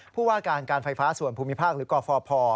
ผู้ว่าการการไฟฟ้าส่วนภูมิภาคหรือกฟพ